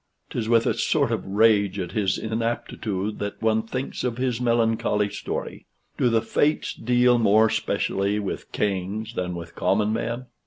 'Tis with a sort of rage at his inaptitude that one thinks of his melancholy story. Do the Fates deal more specially with kings than with common men?